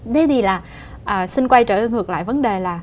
đây thì là xin quay trở ngược lại vấn đề là